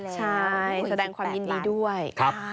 ใช่แสดงความยินดีด้วย